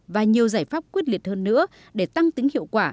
và nhiều giải pháp quyết liệt hơn nữa để tăng tính hiệu quả